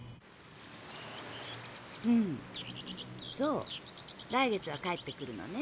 うんそう来月は帰ってくるのね。